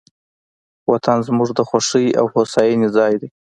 وطن زموږ د خوښۍ او هوساینې ځای دی.